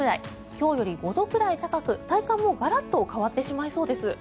今日より５度くらい高く体感もガラッと変わってしまいそうです。